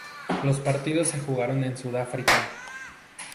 Los partidos se jugaron en Sudáfrica.